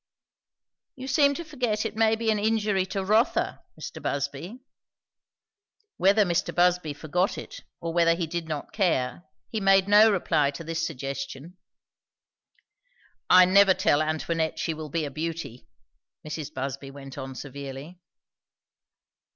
"You seem to forget it may be an injury to Rotha, Mr. Busby." Whether Mr. Busby forgot it, or whether he did not care, he made no reply to this suggestion. "I never tell Antoinette she will be a beauty," Mrs. Busby went on severely.